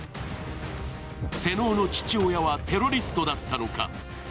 瀬能の父親はテロリストだったのか。